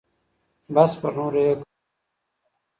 بس پر نورو یې کوله تهمتونه